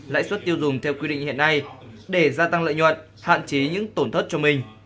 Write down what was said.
lãi suất tiêu dùng theo quy định hiện nay để gia tăng lợi nhuận hạn chế những tổn thất cho mình